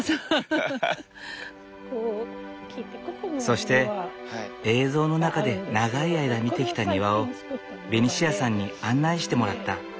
そして映像の中で長い間見てきた庭をベニシアさんに案内してもらった。